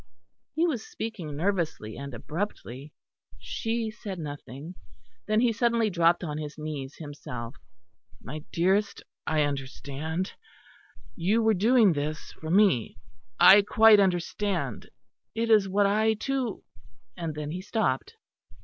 He was speaking nervously and abruptly. She said nothing. Then he suddenly dropped on his knees himself. "My dearest, I understand. You were doing this for me. I quite understand. It is what I too " and then he stopped.